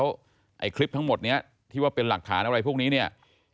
แล้วไอ้คลิปทั้งหมดนี้ที่ว่าเป็นหลักฐานอะไรพวกนี้เนี่ย